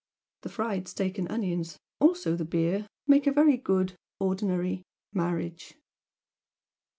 The fried steak and onions also the beer make a very good ordinary 'marriage.'"